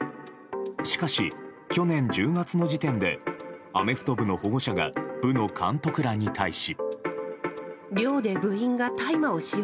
しかし、去年１０月の時点でアメフト部の保護者が部の監督らに対し。